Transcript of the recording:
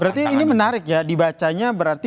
berarti ini menarik ya dibacanya berarti